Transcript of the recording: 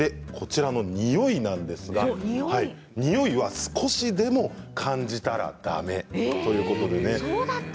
においなんですがにおいは少しでも感じたらだめということなんです。